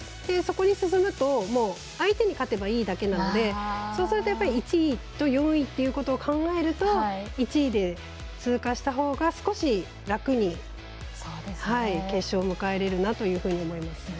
そこに進むと相手に勝てばいいだけなのでそうすると１位と４位ってことを考えると１位で通過したほうが、少し楽に決勝を迎えられるなと思います。